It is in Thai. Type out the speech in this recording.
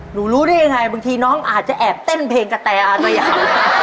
หนูรู้ได้ยังไงบางทีน้องอาจจะแอบเต้นเพลงกะแตอาสยาม